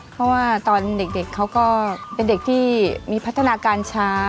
เพราะว่าตอนเด็กเขาก็เป็นเด็กที่มีพัฒนาการช้า